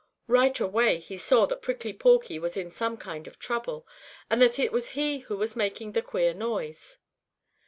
Right away he saw that Prickly Porky was in some kind of trouble, and that it was he who was making the queer noise.